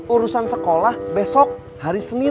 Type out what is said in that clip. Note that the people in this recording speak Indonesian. urusan sekolah besok hari senin